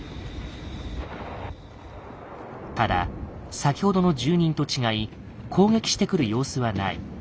ただ先ほどの住人と違い攻撃してくる様子はない。